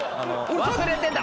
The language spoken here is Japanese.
忘れてた。